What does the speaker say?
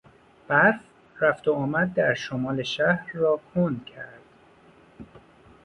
برف رفت و آمد در شمال شهر را کند کرد.